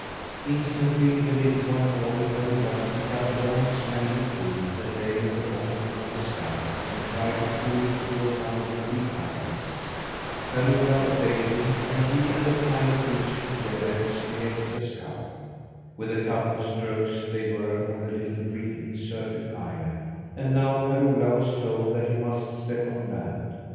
Instantly, the little one ordered Per Ola to pick up a long, slender pole that lay in the bottom of the scow, and try to pole it toward one of the reed islands. Per Ola obeyed him, and he and the tiny creature, together, steered the scow. With a couple of strokes they were on a little reed encircled island, and now Per Ola was told that he must step on land.